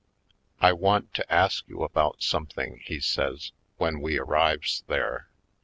"I want to ask you about something," he says, when we arrives there.